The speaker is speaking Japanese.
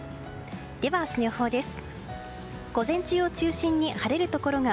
では、明日の予報です。